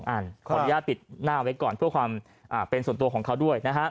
ขออนุญาตปิดหน้าไว้ก่อนเพื่อความเป็นส่วนตัวของเขาด้วยนะฮะ